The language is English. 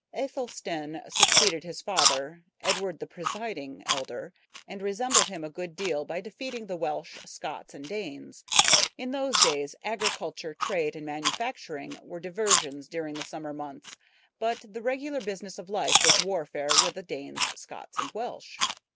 Athelstan succeeded his father, Edward the Presiding Elder, and resembled him a good deal by defeating the Welsh, Scots, and Danes. In those days agriculture, trade, and manufacturing were diversions during the summer months; but the regular business of life was warfare with the Danes, Scots, and Welsh.